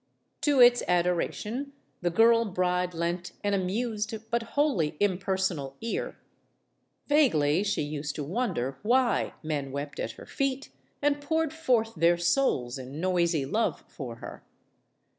To its adoration the girl bride lent an amused but wholly impersonal ear. Vaguely she used to wonder why men wept at her feet and poured forth their souls in noisy love for her.